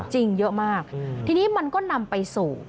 จริงเยอะมากทีนี้มันก็นำไปสู่